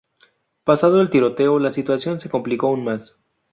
Pasado el tiroteo, la situación se complicó aún más.